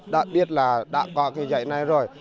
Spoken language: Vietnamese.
đã biết là đã có cái dạy này rồi